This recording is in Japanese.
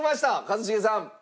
一茂さん。